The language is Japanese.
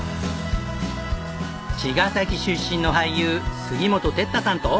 茅ヶ崎出身の俳優杉本哲太さんと。